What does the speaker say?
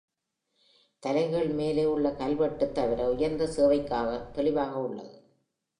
தலைகீழ் மேலே உள்ள கல்வெட்டு தவிர,”உயர்ந்த சேவைக்காக” தெளிவாக உள்ளது.